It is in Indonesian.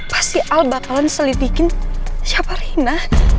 pasti al bakalan selidikin siapa rina